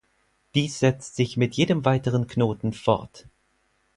Dies setzt sich mit jedem weiteren Knoten fort.